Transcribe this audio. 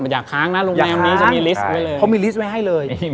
อยากค้างนะโรงแรมนี้จะมีลิสต์ไว้เลย